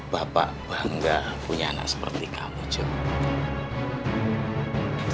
bapak bangga punya anak seperti kamu juga